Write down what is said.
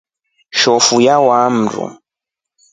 Njofu yawaa mndu.